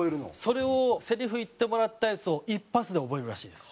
それをせりふ言ってもらったやつを一発で覚えるらしいです。